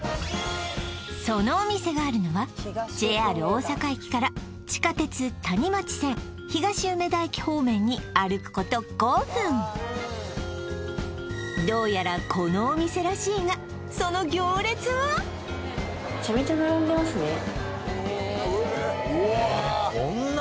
そのお店があるのはＪＲ大阪駅から地下鉄・谷町線東梅田駅方面に歩くこと５分その行列はえっうわ